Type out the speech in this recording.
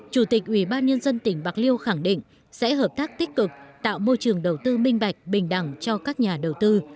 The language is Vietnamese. chủ tịch ủy ban nhân dân tỉnh bạc liêu khẳng định sẽ hợp tác tích cực tạo môi trường đầu tư minh bạch bình đẳng cho các nhà đầu tư